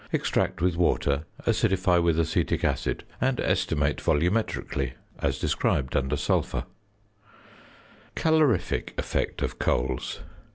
Extract with water, acidify with acetic acid, and estimate volumetrically as described under Sulphur. [Illustration: FIG. 73.] ~Calorific Effect of Coals.